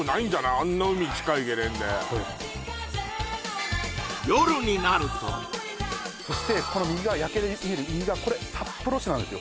あんな海近いゲレンデそしてこの右側夜景で見える右側これ札幌市なんですよ